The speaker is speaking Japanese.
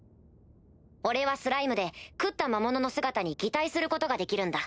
俺はスライムで食った魔物の姿に擬態することができるんだ。